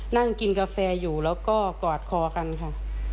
นั่งกินกาแฟอยู่แล้วก็กอดคอกันค่ะ